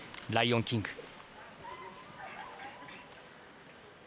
ライオンキング。